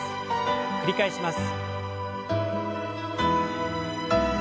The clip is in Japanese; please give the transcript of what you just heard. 繰り返します。